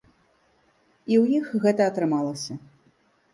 І ў іх гэта атрымалася.